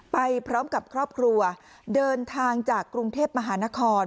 ไปพร้อมกับครอบครัวเดินทางจากกรุงเทพมหานคร